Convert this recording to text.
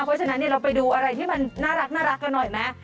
เพราะฉะนั้นเราไปดูอะไรที่มันน่ารักกันหน่อยไหม